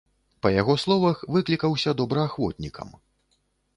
Па яго словах, выклікаўся добраахвотнікам.